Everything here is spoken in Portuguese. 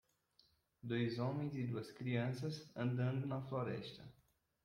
Dois homens e duas crianças andando na floresta.